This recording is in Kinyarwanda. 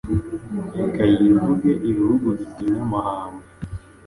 Reka yivuge ibihugu bitinye amahamba